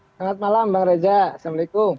selamat malam bang reza assalamualaikum